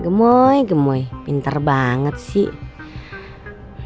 gemoy gemoy pinter banget sih